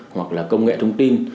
hoặc là công nghệ thông tin